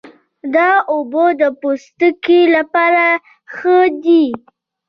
دا اوبه د پوستکي لپاره ښې دي.